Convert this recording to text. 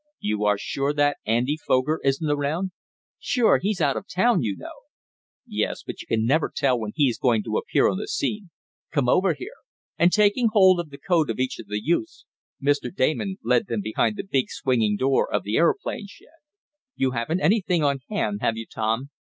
"You are sure that Andy Foger isn't around." "Sure. He's out of town, you know." "Yes, but you never can tell when he's going to appear on the scene. Come over here," and taking hold of the coat of each of the youths, Mr. Damon led them behind the big swinging door of the aeroplane shed. "You haven't anything on hand; have you, Tom?"